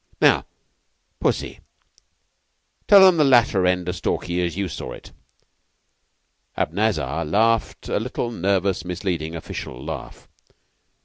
Now, Pussy, tell 'em the latter end o' Stalky as you saw it." Abanazar laughed a little nervous, misleading, official laugh.